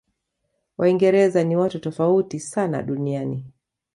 waingereza ni watu tofauti sana duniani